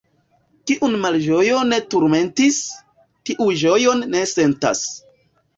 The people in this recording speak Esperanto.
Kiun malĝojo ne turmentis, tiu ĝojon ne sentas.